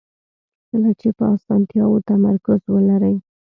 کله چې په اسانتیاوو تمرکز ولرئ.